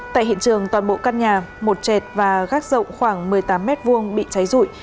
tại hiện trường toàn bộ căn nhà một chẹt và gác rộng khoảng một mươi tám m hai bị cháy rụi